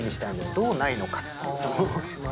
どうないのかっていう。